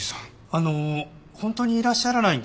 あの本当にいらっしゃらないんですか？